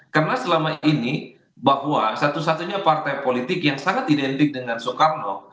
karena selama ini bahwa satu satunya partai politik yang sangat identik dengan soekarno